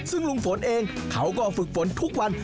ซึ่งลุงฝนเองเขาก็ฝึกฝนทุกวัน